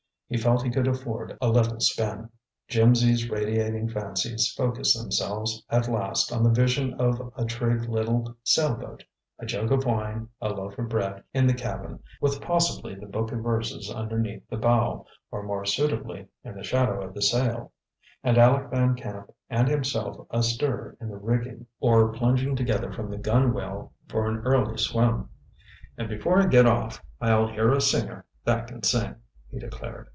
He felt he could afford a little spin. Jimsy's radiating fancies focussed themselves, at last, on the vision of a trig little sail boat, "a jug of wine, a loaf of bread" in the cabin, with possibly the book of verses underneath the bow, or more suitably, in the shadow of the sail; and Aleck Van Camp and himself astir in the rigging or plunging together from the gunwale for an early swim. "And before I get off, I'll hear a singer that can sing," he declared.